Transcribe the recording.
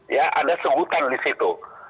ya ada sebutan di situ